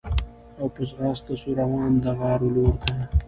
او په ځغاسته سو روان د غار و لورته